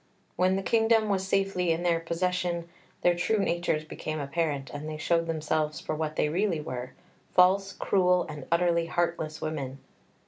When the kingdom was safely in their possession, their true natures became apparent, and they showed themselves for what they really were false, cruel, and utterly heartless women.